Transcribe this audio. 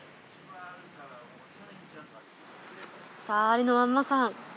さぁありのまんまさん